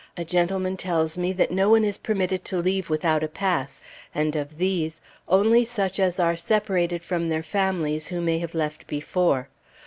A gentleman tells me that no one is permitted to leave without a pass, and of these, only such as are separated from their families, who may have left before.